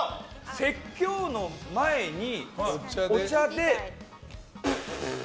説教の前にお茶でブーッ！